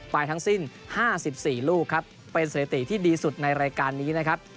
ทั้งสิ้น๕๔ลูกครับเป็นสถิติที่ดีสุดในรายการนี้นะครับ